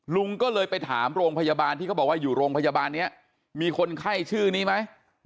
ลุงก็เลยไปถามโรงพยาบาลที่เขาบอกว่าอยู่โรงพยาบาลนี้มีคนไข้ชื่อนี้ไหม